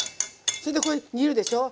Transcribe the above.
それでこれ煮るでしょ